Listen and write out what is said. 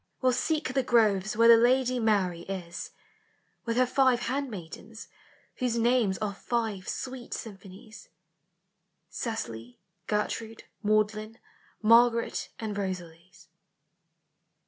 will seek the groves Where the lady M MYTHICAL: LEGENDARY. 10L With her rive handmaidens, whose names Are five sweet symphonies, Cecily, Gertrude, Magdalen, Margaret and Rosalys.